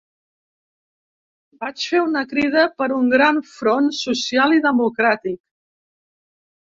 Vaig fer una crida per a un gran front social i democràtic.